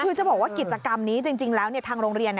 คือจะบอกว่ากิจกรรมนี้จริงแล้วทางโรงเรียน